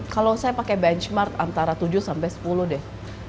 kalau saya pakai benchmark antara tujuh sampai sepuluh deh